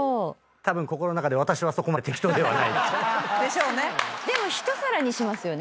たぶん心の中で「私はそこまで適当ではない」でも１皿にしますよね